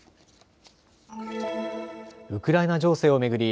ウクライナ情勢を巡り